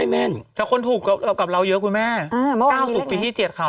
อืมถ้าคนถูกกับเราเยอะคุณแม่อ่าเมื่อวันสุดปีที่เจียดข่าว